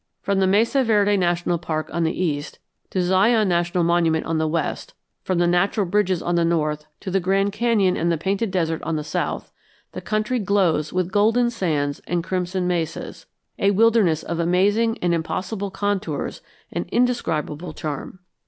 From the Mesa Verde National Park on the east to Zion National Monument on the west, from the Natural Bridges on the north to the Grand Canyon and the Painted Desert on the south, the country glows with golden sands and crimson mesas, a wilderness of amazing and impossible contours and indescribable charm.